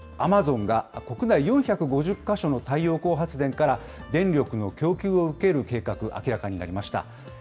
ＩＴ大手のアマゾンが、国内４５０か所の太陽光発電から、電力の供給を受ける計画が明らかになりました。